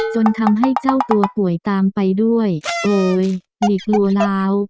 จนทำให้เจ้าตัวป่วยตามไปด้วยโอ๊ยนี่กลัวแล้ว